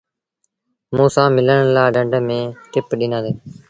موݩٚ سآݩٚ ملڻ لآ ڍنڍ ميݩ ٽپ ڏنآندي۔